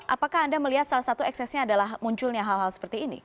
apakah anda melihat salah satu eksesnya adalah munculnya hal hal seperti ini